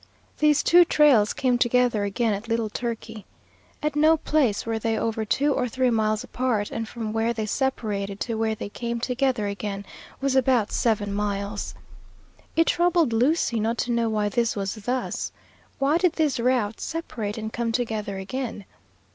These two trails came together again at Little Turkey. At no place were they over two or three miles apart, and from where they separated to where they came together again was about seven miles. It troubled Lucy not to know why this was thus. Why did these routes separate and come together again?